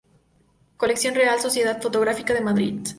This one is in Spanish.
Colección Real Sociedad Fotográfica de Madrid.